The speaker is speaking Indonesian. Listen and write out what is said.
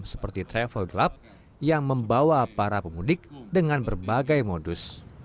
seperti travel glab yang membawa para pemudik dengan berbagai modus